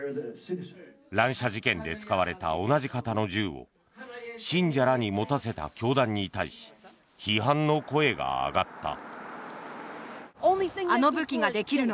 乱射事件で使われた同じ型の銃を信者らに持たせた教団に対し批判の声が上がった。